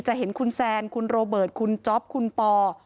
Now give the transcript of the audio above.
เห็นคุณแซนคุณโรเบิร์ตคุณจ๊อปคุณปอ